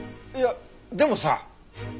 いやでもさ